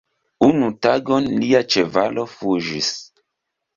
Unu tagon, lia ĉevalo fuĝis.